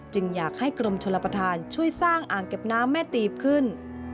อยากให้กรมชลประธานช่วยสร้างอ่างเก็บน้ำแม่ตีบขึ้น